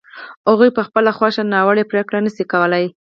هغوی په خپله خوښه ناوړه پرېکړه نه شي کولای.